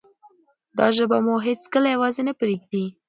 دا ژبه به مو هیڅکله یوازې نه پریږدي.